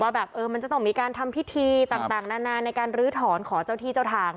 แบบมันจะต้องมีการทำพิธีต่างนานาในการลื้อถอนขอเจ้าที่เจ้าทาง